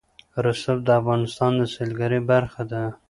رسوب د افغانستان د سیلګرۍ برخه ده.